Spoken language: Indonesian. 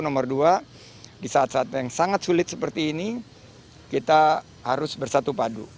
nomor dua di saat saat yang sangat sulit seperti ini kita harus bersatu padu